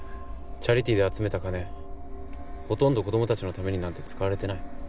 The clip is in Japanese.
チャリティーで集めた金ほとんど子供たちのためになんて使われてない。